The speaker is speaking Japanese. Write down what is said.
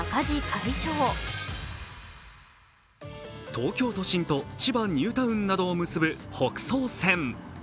東京都心と千葉ニュータウンなどを結ぶ北総線。